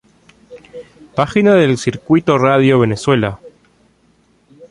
Página del Circuito Radio Venezuela